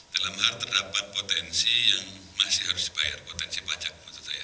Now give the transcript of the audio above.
dalam hal terdapat potensi yang masih harus dibayar potensi pajak maksud saya